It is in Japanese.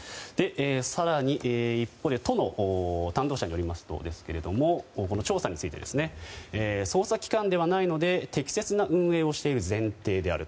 更に、都の担当者によりますとこの調査について捜査機関ではないので適切な運営をしている前提であると。